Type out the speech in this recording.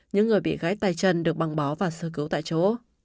những người bị gách tay chân được băng bó và sơ cứu tại chỗ